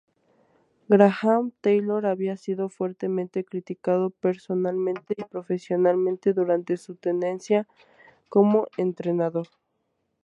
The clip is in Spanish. Graham Taylor había sido fuertemente criticado personalmente y profesionalmente durante su tenencia como entrenador.